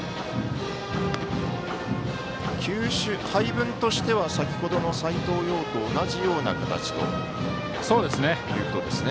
球種、配分としては先ほどの斎藤蓉と同じような形。